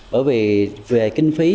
bởi vì về kinh phí